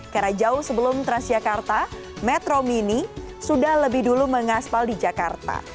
karena jauh sebelum transjakarta metro mini sudah lebih dulu mengaspal di jakarta